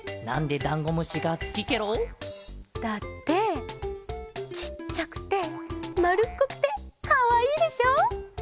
なんでだんごむしがすきケロ？だってちっちゃくてまるっこくてかわいいでしょ。